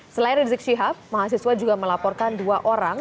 selain rizik syihab mahasiswa juga melaporkan dua orang